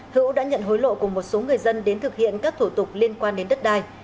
hữu đã nhận hối lộ của một số người dân đến thực hiện các thủ tục liên quan đến đất đai